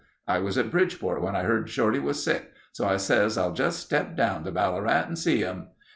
I was at Bridgeport when I heard Shorty was sick, so I says, 'I'll just step down to Ballarat and see him.